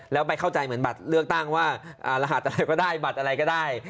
แล้วไปเข้าใจเหมือนบัตรเลือกตั้งว่ารหัสอะไรก็ได้บัตรอะไรก็ได้